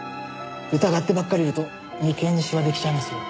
疑ってばっかりいると眉間にしわできちゃいますよ。